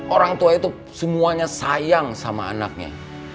orang tua itu semuanya sayang sama anaknya